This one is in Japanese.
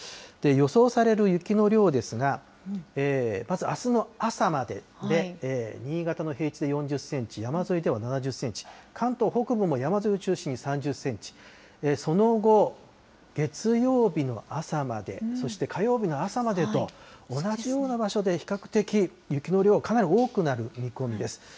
予想される雪の量ですが、まずあすの朝までで、新潟の平地で４０センチ、山沿いでは７０センチ、関東北部も山沿いを中心に３０センチ、その後、月曜日の朝まで、そして火曜日の朝までと、同じような場所で比較的雪の量、かなり多くなる見込みです。